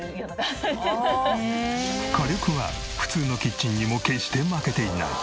火力は普通のキッチンにも決して負けていない。